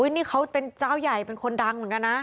นี่เขาเป็นเจ้าใหญ่เป็นคนดังเหมือนกันนะ